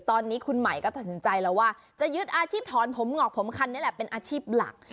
ตอนนี้คุณหมายก็ตัดสินใจแล้วว่าจะยึดอาชีพถอนผมงอกผมคันนี้แหละเป็นอาชีพหลัก